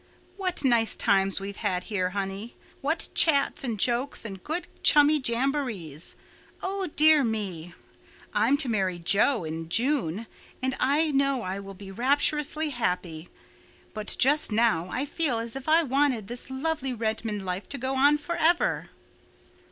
What nice times we've had here, honey! What chats and jokes and good chummy jamborees! Oh, dear me! I'm to marry Jo in June and I know I will be rapturously happy. But just now I feel as if I wanted this lovely Redmond life to go on forever."